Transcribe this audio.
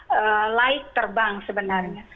tetap layak terbang sebenarnya